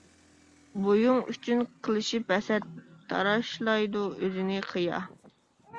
بويۇڭ ئۈچۈن قىلىشىپ ھەسەت، تاراشلايدۇ ئۆزىنى قىيا.